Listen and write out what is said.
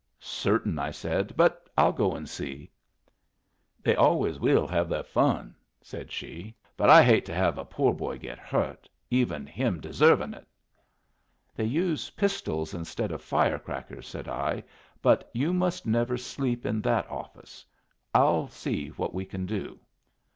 "Certain," I said. "But I'll go and see." "They always will have their fun," said she. "But I hate to have a poor boy get hurt even him deserving it!" "They use pistols instead of fire crackers," said I. "But you must never sleep in that office. I'll see what we can do."